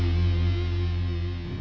maksudnya gak sampe